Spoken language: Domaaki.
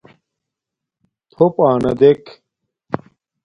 تھݸپ آنݳ دݵک.